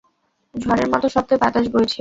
ঝড়ের মতো শব্দে বাতাস বইছে!